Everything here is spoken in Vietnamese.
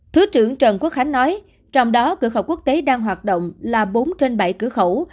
thứ trưởng trần quốc khánh nói trong đó cửa khẩu quốc tế đang hoạt động là bốn trên bảy cửa khẩu